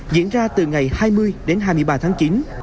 diễn ra từ ngày hai mươi đến hai mươi ba tháng chín